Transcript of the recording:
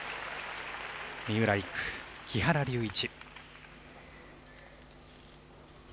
三浦璃来・木原龍一。